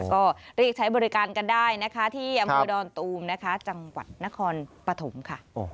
ก็เรียกใช้บริการกันได้นะคะที่อำเภอดอนตูมนะคะจังหวัดนครปฐมค่ะ